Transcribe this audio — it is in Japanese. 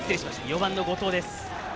４番の後藤です。